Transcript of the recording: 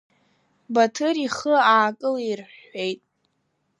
Баҭыр ихы аакылирҳәҳәеит.